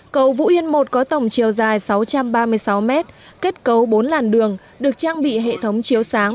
cầu vũ yên i có tổng chiều dài sáu trăm ba mươi sáu m kết cấu bốn làn đường được trang bị hệ thống chiếu sáng